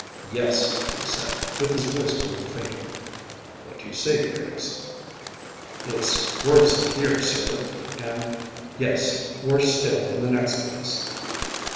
Yes," he said, with his voice growing fainter. "What do you say, Griggs?" "It's worse in here, sir, and yes, worse still in the next place."